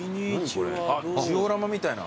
あっジオラマみたいな？